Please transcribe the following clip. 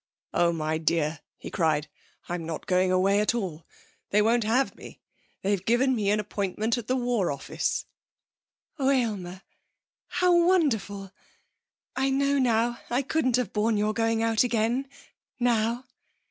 'Oh, my dear!' he cried, 'I'm not going away at all! They won't have me! They've given me an appointment at the War Office.' 'Oh, Aylmer! How wonderful! I know now I couldn't have borne your going out again now.'